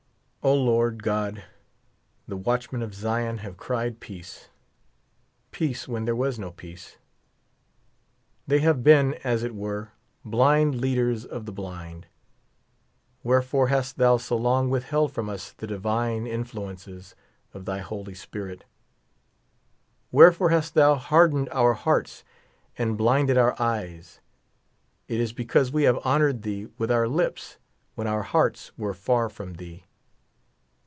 O, Lord God, the watchmen of Zion have cried peace, peace, when ^lere was no peace ; they have been, aa it were, blind leaders of the blind. Wherefore hast thou so long withheld from us the divine influences of thy Holy Spirit? Wherefore hast thou hardened our hearts and blinded our eyes? It is because we have honored thee with our lips, when our hearts were far from thee.